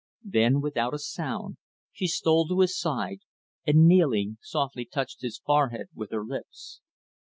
Then, without a sound, she stole to his side, and kneeling, softly touched his forehead with her lips.